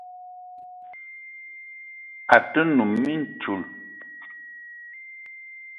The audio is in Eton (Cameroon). A te num mintchoul